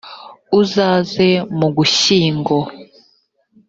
uzaze mugushyingo.